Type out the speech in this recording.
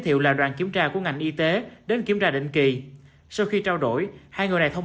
thiệu là đoàn kiểm tra của ngành y tế đến kiểm tra định kỳ sau khi trao đổi hai người này thông